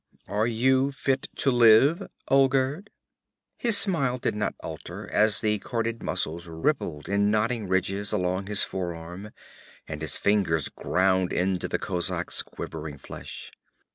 'Are you fit to live, Olgerd?' His smile did not alter as the corded muscles rippled in knotting ridges along his forearm and his fingers ground into the kozak's quivering flesh.